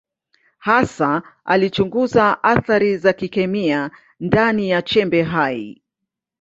Hasa alichunguza athari za kikemia ndani ya chembe hai.